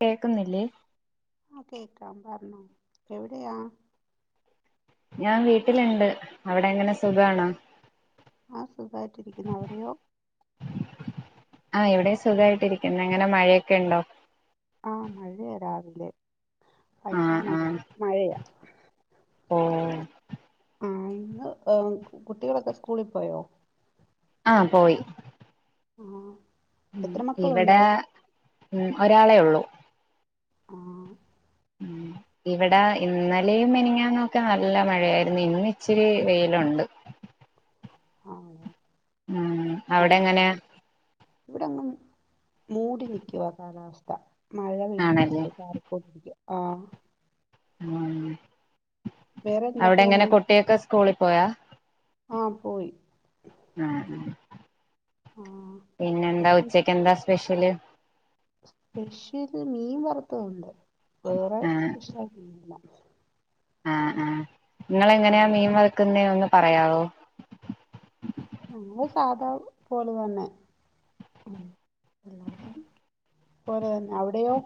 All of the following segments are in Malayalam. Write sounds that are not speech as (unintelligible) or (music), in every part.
കേക്കുന്നില്ലേ ആ കേക്കാം പറഞ്ഞോ എവിടെയാ ഞാൻ വീട്ടിലിണ്ട് അവിടെ എങ്ങനെ സുഖാണോ ആ സുഖമായിട്ടിരിക്കുന്ന അവിടെയോ ആഹ് ഇവിടെ സുഖായിട്ടിരിക്കുന്നു അങ്ങനെ മഴയൊക്കെ ഉണ്ടോ ആ മഴയ രാവിലെ (unintelligible) ആ ആ മഴയാ മഴയാ ഓ ആ ഇന്ന് കുട്ടികളൊക്കെ സ്കൂളിൽ പോയോ ആഹ് പോയി ആഹ് ഉ ഇവിടെ ഉ ഒരാളെ ഉള്ളു ആ ഇവിടെ ഇന്നലെയും മെനിങ്ങന്നൊക്കെ നല്ല മഴയായിരുന്നു ഇന്ന് ഇച്ചിരി വെയിലുണ്ട് ആ ഉ അവിടെ എങ്ങനെ ഇവിടെങ്ങങ് മൂടി നിൽക്കുവാ കാലാവസ്ഥ മഴ ആണല്ലേ പെയ്യുന്നുണ്ട് ചാരക്കോടിരിക്കുക ആ ഉ വേറെ അവിടെ എന്തൊക്കെയുണ്ട് എങ്ങനെ വിശേഷം കുട്ടിയൊക്കെ സ്കൂളിൽ പോയാ ആ പോയി ആ ആ പിന്നെ എന്താ ഉച്ചക്ക് എന്താ സ്പെഷ്യല് സ്പെഷ്യൽ മീൻ വറുത്തത്ണ്ട് വേറെ ആ സ്പെഷ്യലായിട്ടില്ല ആ ആ ആ നിങ്ങളെങ്ങനെയാ മീൻ വർക്കുന്നേന്ന് ഒന്ന് പറയാവോ ഞങ്ങൾ സാധാ പോല തന്നെ (unintelligible) അവിടെയോ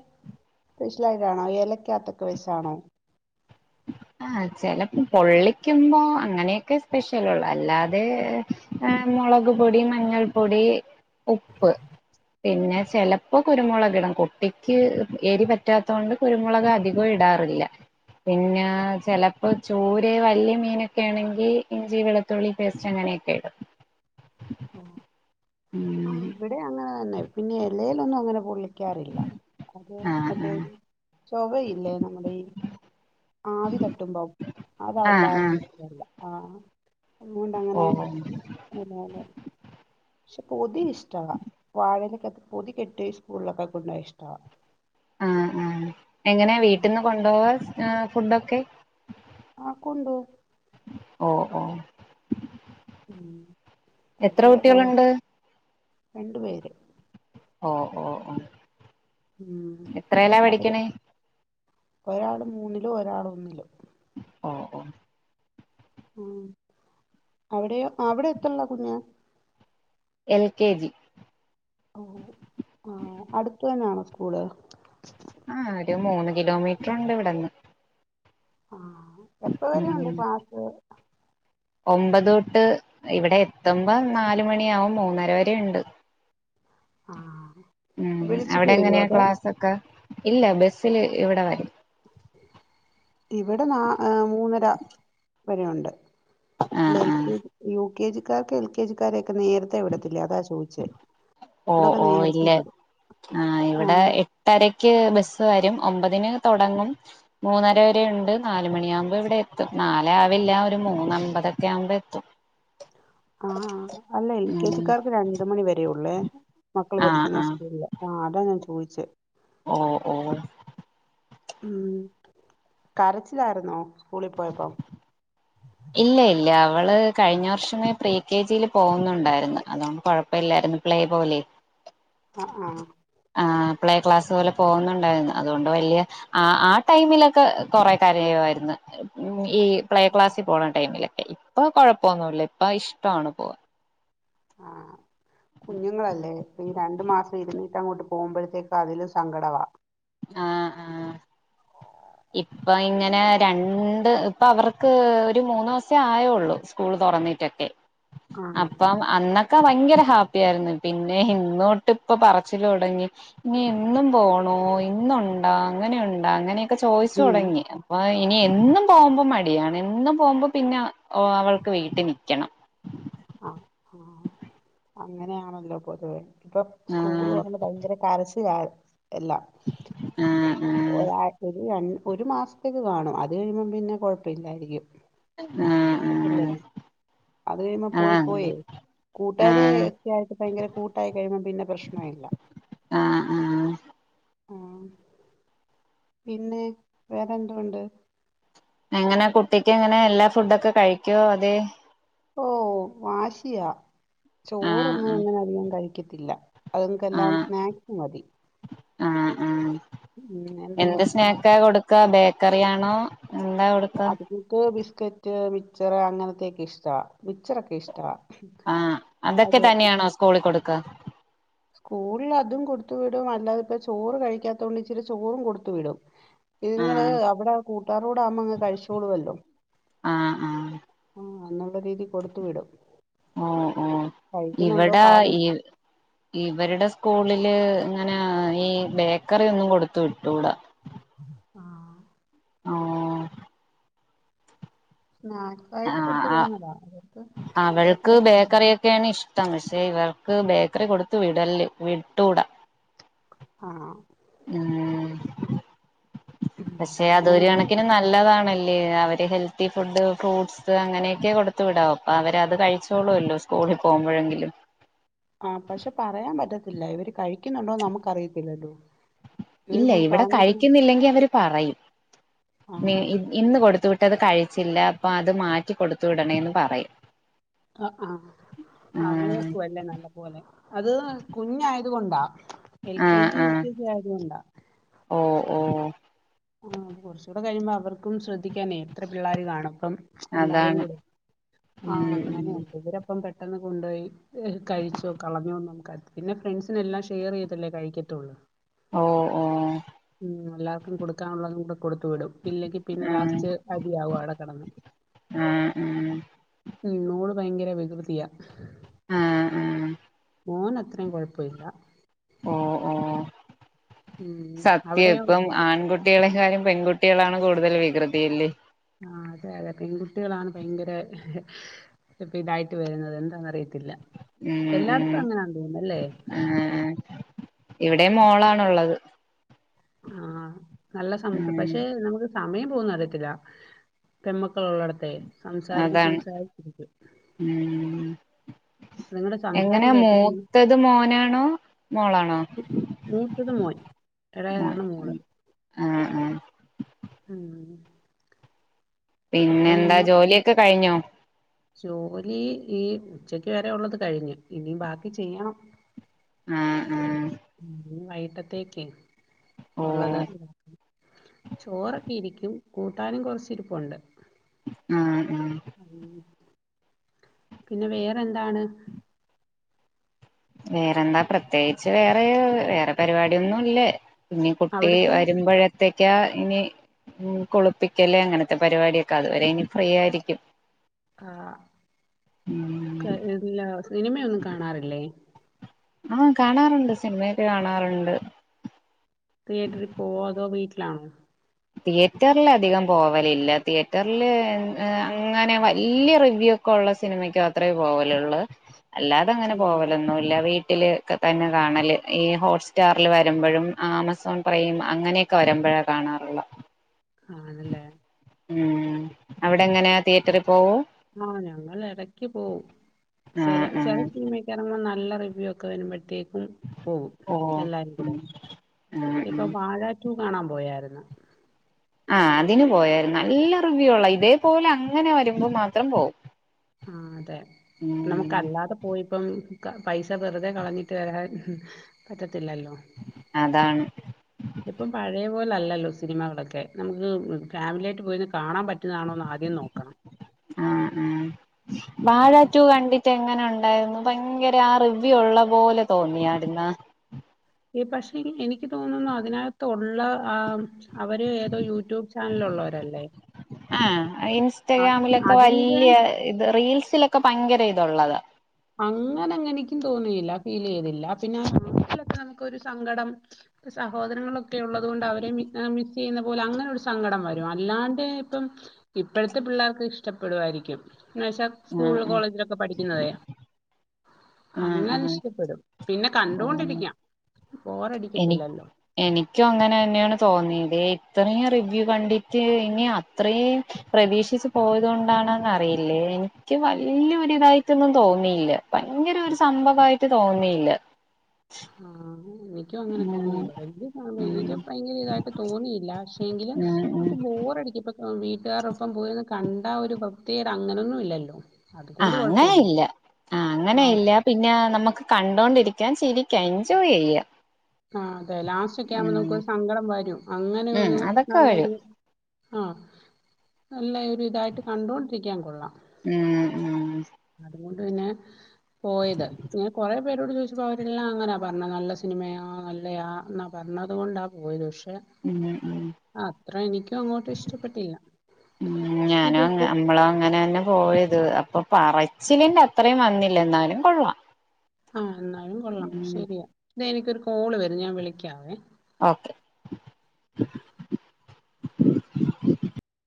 സ്പെഷ്യലായിട്ടാണോ ഏലക്കകത്തൊക്കെ വെച്ചാണോ ആ ചെലപ്പോ പൊള്ളിക്കുമ്പോ അങ്ങനെയൊക്കെ സ്പെഷ്യലള്ളൂ അല്ലാതെ ആ മുളക് പൊടി മഞ്ഞൾ പൊടി ഉപ്പ് പിന്നെ ചെിലപ്പോ കുരുമുളക് ഇട കുട്ടിക്ക് ഏരിപറ്റാത്ത കൊണ്ട് കുരുമുളക് അധികം ഇടാറില്ല പിന്നെ ചിലപ്പോ ചൂരയോ വലിയ മീനൊക്കെ ആണെങ്കിൽ ഇഞ്ചി വെളുത്തുള്ളി പേസ്റ്റ് അങ്ങനെയ (unintelligible) ഓ ആ ഇവിടെ അങ്ങനെ തന്നെ പിന്നെ ഇലയിൽ ഒന്നും അങ്ങനെ വിളിക്കാറില്ല അത് ആഹ് ആഹ് മറ്റേരു ചൊവയില്ലേ നമ്മുടെ ഈ ആവി തട്ടുമ്പ അത അവിടെ ആഹ് ആഹ് അർപ്പിച്ചല്ല ആഹ അതുകൊണ്ടങ്ങനെ ഓഹ് പക്ഷെ പൊതി ഇഷ്ട പൊതിക്കെട്ട് സ്കൂളിലൊക്കെ കൊണ്ട ഇഷ്ട ആഹ ആ എങ്ങനാ വീട്ടിൽന്ന് കൊണ്ടുപോവാ ഫുഡൊക്കെ ആ കൊണ്ടുപോകും ഓ ഓ ഉ കുട്ടി കുട്ടികളുണ്ട് രണ്ടു പേര് ഓ ഓ ഓ ഉം എത്രല്ലാ പഠിക്കണേ ഒരാൾ മൂന്നിലോ ഒരാൾ ഒന്നിലോ ആഹ ആഓ ഉ അവിടെ അവിടെ എത്രുള്ളാ കുഞ്ഞ എൽ കെ ജി ഓ ഇവിടെ ഓ ആഹ ഒരു മൂന്ന് കിലോമീറ്റർണ്ട് ഇവിടെന്ന് ആ എപ്പ വരെ ഉം ഉണ്ട് പാസ് ഒമ്പത് തൊട്ട് ഇവിടെ എത്തുമ്പോ നാല് മണിയ ആവും മൂന്നര വരെ ഉണ്ട് ആഹ ഉം അവിടെ എങ്ങനെയാ ക്ലാസ് ഒക്കെ ഇല്ല ബസ്സില് ഇവിടെ വരെ ഇവിടെ മൂന്നര വരെയുണ്ട് ആ ല എൽ ആ കെ ജി യു കെ ജിക്കാർക്ക എൽ കെ ജിക്കാരൊക്കെ നേരത്തെ എവിടെ അതാ ചോദിച്ചേ ഓ ഇവിടൊക്കെ ഓ നേരത്തെ ഇല്ലേ വിടും ആ ഇവിടെ എട്ടരക്ക് ബസ് (unintelligible) ഒമ്പതിന് തുടങ്ങും മൂന്നര വരെ ണ്ട് നാലുമണിയാവുമ്പോ ഇവിടെ എത്തും നാലാവെ- ഇല്ല ഒരു മൂന്നമ്പതൊക്കെ ആവുമ്പോ എത്തും ആഹ അല്ല എൽ കെ ഉം ജിക്കാർക്ക് രണ്ട് മണി വരെയുള്ളേ മക്കൾ ആ പഠിക്കുന്ന ആ സ്കൂളില് ആ അതാ ഞാൻ ചോദിച്ചത് ഓ ഓ ഉം കരച്ചിലായിരുന്നോ സ്കൂളി പോയപ്പോ ഇല്ല ഇല്ല അവള് കഴിഞ്ഞ വർഷമേ പ്രീ കെ ജിയിൽ പോകുന്നുണ്ടായിരുന്നു അതൊണ്ട് കൊഴപ്പില്ല പ്ലേ പോലെ അ ആ ആ പ്ലേ ക്ലാസ്സ് പോലെ പോകുന്നുണ്ടായിരുന്നു അതുകൊണ്ട് വലിയ അ ആ ടൈമിലൊക്കെ കുറെ കരയുമായിരുന്നു ഉ ഈ പ്ലേ ക്ലാസ്സി- ടൈമിലൊക്കെ ഇപ്പൊ കൊഴപ്പൊന്നുല്ല ഇപ്പ ഇഷ്ടാണ് പോവാൻ ആഹ് കുഞ്ഞുങ്ങളല്ലേ ഈ രണ്ടു മാസം ഇരുന്ന് അങ്ങോട്ട് പോകുമ്പോഴത്തേക്ക് അതിലും സങ്കടാവ- ആആ ഇപ്പൊ ഇങ്ങനെ രണ്ട് ഇപ്പ അവർക്ക് ഒരു മൂന്നൂദിവസമേ ആയൊള്ളൂ സ്കൂള് വന്നിട്ടിക്കെ ആണ് അപ്പം അന്നൊക്കെ ഭങ്കര ഹാപ്പി ആയിരുന്നു പിന്നെ ഇന്നോട്ട് ഇപ്പൊ പറച്ചില് തുടങ്ങി ഇനി എന്നും പോണോ ഇന്നുണ്ടോ അങ്ങനെയുണ്ടോ അങ്ങനെയൊക്കെ ചോയിച്ചു തുടങ്ങി അപ്പൊ ഇനി എന്നും പോവുമ്പോ മടിയാണ് എന്നും പോകുമ്പോ പിന്നെ അവൾക്ക് വീട്ടി നിക്കണം ആ അങ്ങനെയാണല്ലോ പൊതുവേ ഇപ്പൊ സ്കൂള് ആഹ് തൊറന്ന് ഭയങ്കര കരശിലായി എല്ലാം ആഹ് (unintelligible) ഒരു മാസത്തേക്ക് കാണും അത് കഴിയുമ്പം പിന്നെ കൊഴപ്പല്ലായിരിക്കും ആഹ് അല്ലേ അത് കഴിയുമ്പോ പോയി ആഹ് പോയി ആഹ് കൂട്ടാര ഒക്കായിട്ട് ഭയങ്കര കൂട്ടായി കഴിയുമ്പം പിന്നെ പ്രശ്നഇല്ല ആ ആ ആ പിന്നെ വേറെ എന്തുണ്ട് എങ്ങനെ കുട്ടിക്ക് എങ്ങനെ എല്ലാ ഫുഡൊക്കെ കഴിക്കോ അതെ ഓ വാശിയാ ആഹ് ചോറൊന്നും ആഹ് ങ്ങനെ അദികം കഴിക്കത്തില്ല അത് ക്കെല്ലാം ആഹ് സ്നാക്സ് മതി ആഹ് ആഹ് ഉം എന്ത് എന്തെങ്കിലും സ്നാക്സ് സ്നാക്ക കൊടുക്ക ബേക്കറി ആണോ എന്താ കൊടുക്കാ അത്ക്ക് ബിസ്കറ്റ് മിച്ചർ അങ്ങനത്തെയൊക്കെ ഇഷ്ടാ മിച്ചറൊ ക്കെ ഇഷ്ട ആ അതൊക്കെ തന്നെയാണോ സ്കൂളി കൊടുക്ക സ്കൂളിൽ അതും കൊടുത്തു വിടും അല്ലാതി ഇപ്പ ചോറ് കഴിക്കാത്തോണ്ട് ഇച്ചിരി ചോറും കൊടുത്തു വിടും നിങ്ങള് ആഹ് അവിടെകൂട്ടാരോടാമ്മെ കഴിച്ചോളുല്ലോ ആ ആ ആ അന്നു ള്ള രീതി കൊടുത്തു വിടും ഓ ഓ കഴിക്കുന്നുണ്ടോ ഇവടെ കാണും ഇവരുടെ സ്കൂളില് ഇങ്ങനെ ഈ ബേക്കറി ഒന്നും കൊടുത്തു വിട്ടൂടാ ആ ഓ സ്നാക്കായിട്ട് കൊടുത്ത ആഹ് വിടുന്നതാ അവര്ക് ഇടക്ക് തമശേ ഇവർക്ക് ബേക്കറി കൊടുത്ത വിടല്ലേ വിട്ടൂടാ അ ആ എ പക്ഷെ അങ്ങനെ അതൊരു കണക്കിന് നല്ലതാണ് ല്ലേ അവര് ഹെൽത്തി ഫുഡ് ഫ്രൂട്ട്സ് അങ്ങനെയൊക്കെ കൊടുത്തു വിടാവും അപ്പോ അവരത് കഴിച്ചോളല്ലോ സ്കൂ- കൂളിൽ പോകുമ്പോഴെങ്കിലും ആ പഷേ പറയാൻ പറ്റത്തില്ല ഇവര് കഴിക്കുന്നുണ്ടോന്ന് നമുക്ക് അറിയത്തില്ലല്ലോ ഇല്ല ഇവിടെ കഴിക്കുന്നില്ലെങ്കി അവര് പറയും ആ ഇന്ന് കൊടുത്തു വിട്ട അത് കഴിച്ചില്ല അപ്പൊ അത് മാറ്റിക്കൊടുത്തു വിടണേന്ന് പറയും. ആ ആ ആ ആഹ് നോക്കും അല്ലേ നല്ല പോലെ അത് കുഞ്ഞായി കൊണ്ടാ എൽ കെ ആഹ് ജി യു ആഹ് കെ ജി ആയത്കൊണ്ടാ. ഓ ഓ ആ കുറച്ചുകൂടെ കഴിയുമ്പോ അവർക്കും ശ്രദ്ധിക്കാനേ എത്ര പിള്ളേര് കാണും. പ്പം എല്ലാരേം അതാണ് കൂടെ ആ ഉം ഉം അങ്ങനെയണ്ട് ഇവരപ്പം പെട്ടെന്ന് കൊണ്ടോയി് കഴിച്ചോ കളഞ്ഞോന്ന് നമു (unintelligible) ഫ്രണ്ട്സിനല്ലാം ഷെയർ ചെയ്തല്ലേ കഴിക്കത്തുള്ളൂ. ഓ ഓ. ഉം എല്ലാർക്കും കൊടുക്കാനുള്ളതുണ്ട്. കൊടുത്തു വിടും ഇല്ലെങ്കി പിന്നെ ആഹ് ലാസ്റ്റ് അടി യാകും അവടെ കെടന്ന്. ആഹ് ആഹ് ഉ ഓള് ഭയങ്കര വികൃതിയാ. ആ ഹേ മോന് അത്ര കുഴപ്പമില്ല. ഓ ഓ ഉം സത്യം അവിടെയോ ഇപ്പം ആൺകു കുട്ടികളെക്കായിം പെൺകുട്ടികളാണ് കൂടുതൽ വികൃതിയില്ലേ? ആ അതെ അതെ പെൺകുട്ടികളാണ് ഭയങ്കര ഇപ്പ ഇതായിട്ട് വരുന്നത് എന്താന്ന്റിയ. ത്തില്ല ഉം ഉം എല്ലായിടത്തും അങ്ങനെ തോനുന്നല്ലേ? ആഹ് ഇവിടെ മോളാണുള്ളത്. ആ നല്ല സം ഉം പക്ഷെ നമുക്ക് സമയം പോകന്ന അറിയത്തില്ല പെമ്മ ളടത്തെ സംസാരിച്ച് അതാണ് സംസാരിച്ചിരിക്കു. എങ്ങനെയ മൂത്തത് മോനാണോ മോളാണോ? മൂത്തത് മോൻ എളേതാണ് മോള്. ആഹ ആഹ. ഉം. അപ്പൊ പിന്നെന്താ ഇങ്ങനെ ജോലിയൊക്കെ കഴിഞ്ഞോ? ജോലി ഈ ഉച്ചക്ക് വരെ ഉള്ളത് കഴിഞ്ഞു ഇനി ബാക്കി ചെയ്യണം. ആഹ് ആഹ് ഉ വൈഗിട്ടത്തേക്ക്. ഓ ഉള്ളത് ചോറൊക്കെ ഇരിക്കും. കൂട്ടാനും കുറച് ഇരിപ്പുണ്ട്. ആ ഉം പിന്നെ വേറെ എന്താണ്? വേറെന്താ പ്രത്യേകിച്ച് വേറെ വേറെ പരിപാടിയൊന്നു ഇല്ലേ. പിന്നെ കുട്ടി അവിടുത്തെ വരുമ്പോഴത്തേ ഇനി ഉ കുളിപ്പിക്കല് അങ്ങനത്തെ പരിപാടൊക്കെ അതുവരെ ഇനി ഫ്രീ ആയിരിക്കും. ഉം ആഹല്ല സിനിമയൊന്നും കാണാറില്ലേ? ആഹ കാണാറുണ്ട് സിനിമയൊക്കെ കാണാറുണ്ട്. തിയേറ്ററിൽ പോവോ അതോ വീട്ടിലാണോ. തിയേറ്ററൽ അധികം പോവലില്ല തിയേറ്ററില് അങ്ങനെ വലിയ റിവ്യൂ. ള്ള സിനിമയ്ക്ക അത്രേ പോവലുള്ളൂ അല്ലാതെ അങ്ങനെ ഉം പോവലൊന്നുല്ല വീ ട്ടില് ഒക്കെ തന്നെ കാണല് ഈ ഹോട്ട് സ്റ്റാറിൽ വരുമ്പോഴും ആമസോൺ പ്രൈം അങ്ങനെയൊക്കെ വരുമ്പോഴും. കാണാറുള്ള ആഹ അതല്ലേ. ഉം അവിടെ എങ്ങനെയാ തിയേറ്ററിൽ പോവോ? ആഹ ഞങ്ങൾ ഇടക്ക് പോകവും ചില ആഹ് ചില ആഹ് സിനിമക്ക് ആണെൽ നല്ല ഒക്കെ വരുമ്പോഴത്തേക്കും പോകും ഓ എല്ലാരും ഉം കൂടെ ആഹ് ഇപ്പൊ ഉം വാഴാറ്റു കാണാൻ പോയായിരുന്നു. ആഹ അതിന് പോയരുന്നു നല്ല റിവ്യൂ ഉള്ള ഇതേപോലെ അങ്ങനെ വരുമ്പോ മാത്രം പോകവും. ആ അതെ നമുക്കല്ലാതെ പോയിപ്പം പൈസ വെറുതെ കളഞ്ഞിട്ട് വരാൻ പറ്റതി അതാണ്. ഇപ്പം പഴയ പോലലല്ലോ സിനിമകളൊക്കെ നമുക്ക് ഫാമിലിയായിട്ടുപോയിരുന് കാണാൻ പറ്റ് കാണാൻ പ (inaudible) വാഴാറ്റു കണ്ടിട്ട് എങ്ങനെണ്ട് (inaudible) പയ്ങ്കര ആ റിവ്യൂ ഉള്ള പോലെ തോന്നിയാര് ന്ന എപക്ഷെ എനിക്ക് തോന്നുന്നു അതിനാകതോ ഉള്ള ആ അവര് ഏതോ യൂട്യൂബ് ചാനലോള്ളോരല്ലേ ആ ഇൻസ്റ്റഗ്രാമിലൊക്കെ വലിയ ഇത് റീൽസിലൊക്കെ പയ്ങ്കര ഇതള്ളത അങ്ങനെങ്ങെനിക്കും തോന്നിയില്ല ഫീലേയ്തില്ല പിന്നെ (inaudible) നമുക്കൊരു സങ്കടംഒരു സ ഹോദരങ്ങളൊക്കെ ഉള്ളതു കൊണ്ടു അവരെ മി മിസ്സ്‌ ചെയ്യുന്ന പോലെ അങ്ങനെ ഒരു സങ്കടം വരും അല്ലാണ്ട് ഇപ്പം ഇപ്പഴത്തെ പിള്ളേർക്ക് ഇഷ്ടപ്പെടുവായിരിക്കും എന്നുവെച്ച ആഹ് സ്കൂൾ ആഹ് കോളേജിലൊക്കെ പഠിക്കുന്നതേ ആഹ് അങ്ങനെ ആഹ് ഇഷ്ടപ്പെടും പിന്നെ ഓഹ് കണ്ടൊണ്ടിരിക്കാം എനി എനിക്കും അങ്ങനെ തന്നെയാണ് തോന്നിയതെ ഇത്രയും റിവ്യൂ കണ്ടിട്ട് ഇനി അത്രയും പ്രതീക്ഷിച്ച് പോയതു കൊണ്ടാണെന്നറിയില്ലേ എനിക്ക് വല്യരുതായിട്ടൊന്നും തോന്നിയില്ല പയ്ങ്കര ഒരു സംഭവായിട്ട് തോന്നിയില്ല ആ നി എയ്കും അങ്ങനെ ഉം തോന്നിയില്ല വലിയ സമയം ഉം എനിക്ക് ഭയങ്കര ഇതായിട്ട് തോന്നിയില്ല ക്ഷെങ്കില് ഉം ഉം നമുക്ക് ബോ റടിക്കി പ്പ വീട്ടുകാറൊപ്പം പോയിര് ന്ന് കണ്ട ഒരു വൃത്തി യേട് അങ്ങനൊന്നും ഇല്ലല്ലോ ആ അതുകൊണ്ട് അങ്ങനെല്ല കുഴപ്പമില്ലായിരുന്നു ആ ആഹ് അങ്ങനെയില്ല പിന്നെ നമുക്ക് കണ്ടോൊണ്ടിരി ചിരിക്ക എൻജോയ് ചെയ്യ ആ അതെ ലാസ്റ്റൊക്കെ ആവുമ്പോ നമുക്ക് സങ്കടം വരും അങ്ങനെ ഉം ഒരു അതൊക്കെ നല്ലൊരു വരും ആ നല്ല ഒരു ഇതായിട്ട് കണ്ടോണ്ടിരിക്കാ കൊള്ളാം ഉം ഉം അതുകൊണ്ടന്നെ പോയത് ഞാൻ കൊറെ പേരോട് ചോദിച്ചപ്പോൾ അവരെല്ലാം അങ്ങനാ പറഞ്ഞത് നല്ല സിനിമയ നല്ലയാ എന്നാ പറഞ്ഞതുകൊണ്ടാ പോയത് പശ് ക്ഷെ ഉം ഉം അത്ര എനിക്കങ്ങോട്ടും ഇഷ്ടപ്പെട്ടില്ല ഉം ഞാനും എനിക്കൊരു അങ്ങ അമ്മളും അങ്ങനെന്ന പോയത് അ അപ്പൊ പറച്ചിലിന്റെ അത്രയും വന്നില്ല എന്നാലും കൊള്ളാം ആ എന്നാലും കൊള്ളാം ഉം ശരിയാ ദേ എനിക്കൊരു കോള് വരുന്നു ഞാൻ വിളിക്കാവേ ഓക്കെ